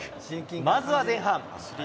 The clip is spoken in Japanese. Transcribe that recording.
まずは前半。